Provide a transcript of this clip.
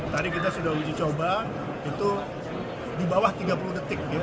tadi kita sudah uji coba itu di bawah tiga puluh detik